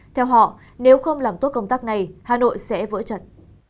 theo họ nếu không làm tốt công tác này hà nội sẽ vỡ trận